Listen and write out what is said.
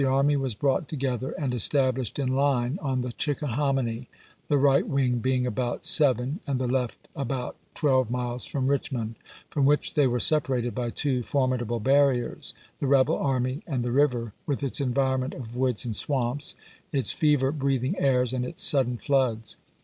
army was brought together and established in line on the Chickahominy, the right wing being about seven and the left about twelve miles from Eich mond, from which they were separated by two formidable barriers — the rebel army, and the river with its environment of woods and swamps, its fever breathing airs and its sudden floods.